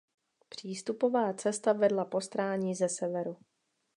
Přístupová cesta vedla po stráni ze severu.